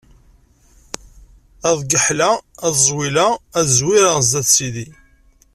Ad geḥleɣ, ad ẓewleɣ ad zwireɣ sdat Sidi.